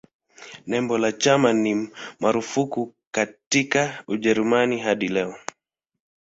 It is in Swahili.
Nembo la chama ni marufuku katika Ujerumani hadi leo.